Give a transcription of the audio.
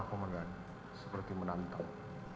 kemudian seperti menantang